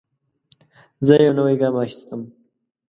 زه یو نوی ګام اخیستم.